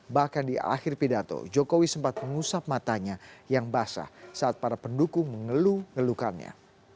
bahkan di akhir pidato jokowi sempat mengusap matanya yang basah saat para pendukung mengeluh ngelukannya